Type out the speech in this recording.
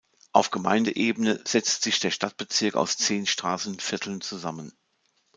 Auf Gemeindeebene setzt sich der Stadtbezirk aus zehn Straßenvierteln zusammen.